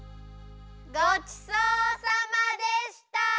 ごちそうさまでした！